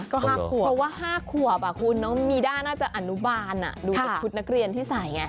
ก็๕ขวบเพราะว่า๕ขวบคุณน้องมีด้าน่าจะอนุบาลดูเป็นชุดนักเรียนที่ใส่ไง